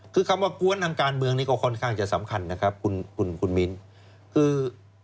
คือคำว่ากวนทางการเมืองนี้ก็ค่อนข้างจะสำคัญนะครับคุณคุณมิ้นคือ